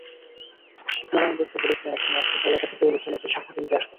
শিবনারায়ণ দত্ত বলছিলেন, একসময় আশপাশের এলাকা থেকেও লোকজন এখানে শাঁখা কিনতে আসতেন।